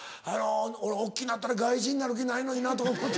大っきなったら外人になる気ないのになとか思うて。